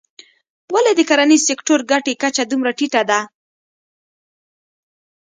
ولې د کرنیز سکتور ګټې کچه دومره ټیټه ده.